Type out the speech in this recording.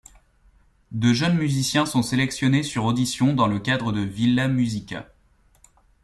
De jeunes musiciens sont sélectionnés sur audition dans le cadre de Villa Musica.